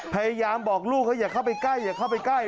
พยายามบอกลูกอย่าเข้าไปใกล้